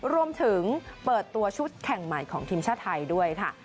รวมถึงเปิดตัวชุดแข่งใหม่ของทีมชาติไทยด้วยค่ะ